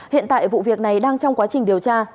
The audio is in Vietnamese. hiện tại vụ việc này đang trong quá trình điều tra